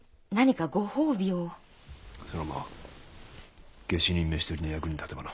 そりゃまあ下手人召し捕りの役に立てばな。